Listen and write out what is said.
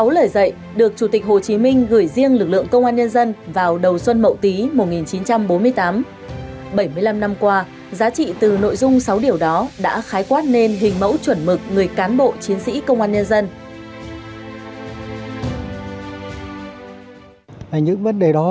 sáu lời dạy được chủ tịch hồ chí minh gửi riêng lực lượng công an nhân dân vào đầu xuân mậu tí một nghìn chín trăm bốn mươi tám bảy mươi năm năm qua giá trị từ nội dung sáu điều đó đã khái quát nên hình mẫu chuẩn mực người cán bộ chiến sĩ công an nhân dân